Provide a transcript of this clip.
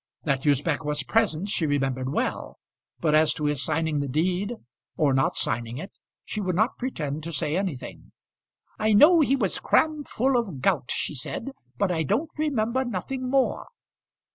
That Usbech was present she remembered well, but as to his signing the deed, or not signing it, she would not pretend to say anything. "I know he was cram full of gout," she said; "but I don't remember nothing more."